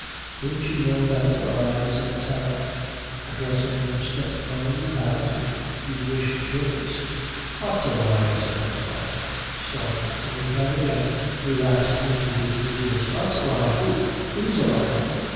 "Don't you know that's a lie?" said Sarah, addressing her step mother. "You have it, if you wish to give it." "What's a lie?" said her father, starting, for he had again relapsed into his moodiness. "What's a lie? who who's a liar?"